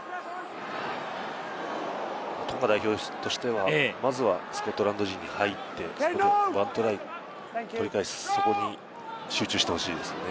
トンガ代表としてはまずはスコットランド陣に入って１トライ取り返す、そこに集中してほしいですね。